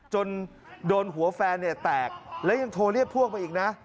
จนโดนหัวแฟนแตกและยังโทรเรียกพวกไปอีกนะ